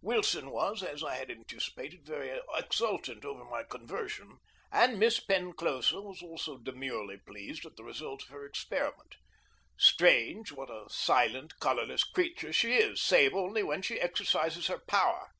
Wilson was, as I had anticipated, very exultant over my conversion, and Miss Penclosa was also demurely pleased at the result of her experiment. Strange what a silent, colorless creature she is save only when she exercises her power!